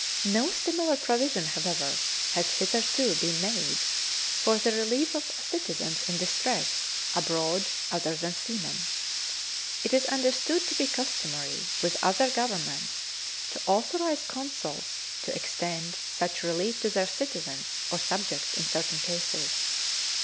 No similar provision, however, has hitherto been made for the relief of citizens in distress abroad other than seamen. It is understood to be customary with other governments to authorize consuls to extend such relief to their citizens or subjects in certain cases.